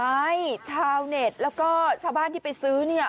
ใช่ชาวเน็ตแล้วก็ชาวบ้านที่ไปซื้อเนี่ย